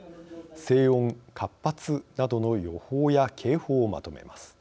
「静穏」「活発」などの予報や警報をまとめます。